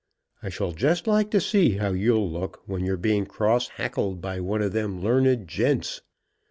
I shall just like to see how you'll look when you're being cross hackled by one of them learned gents.